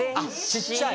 小っちゃい。